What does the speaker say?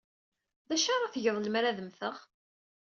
D acu ara tgeḍ lemmer ad mmteɣ?